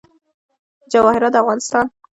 جواهرات د افغانستان د صنعت لپاره مواد برابروي.